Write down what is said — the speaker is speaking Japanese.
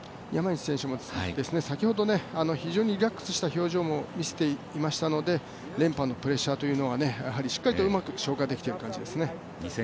山西選手も、先ほど非常にリラックスした表情も見せていましたので連覇のプレッシャーというのはうまく消化できている感じですね。